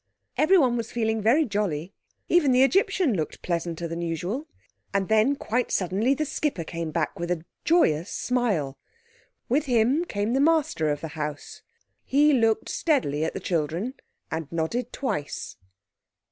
Everyone was feeling very jolly. Even the Egyptian looked pleasanter than usual. And then, quite suddenly, the skipper came back with a joyous smile. With him came the master of the house. He looked steadily at the children and nodded twice.